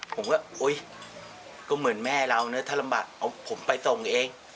ผมก็เหมือนแม่เราเนี่ยถ้ารำบากเอาผมไปส่งเอง